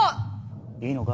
いいのか？